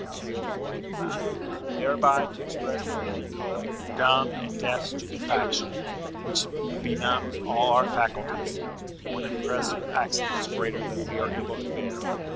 304.] thereby to express that melancholic, dumb, and deaf stupefaction, which benumbs all our faculties, when oppressed with accidents greater than we are able to bear.